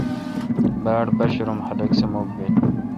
باڑ با شرم خلق سہ مکھ بیل۔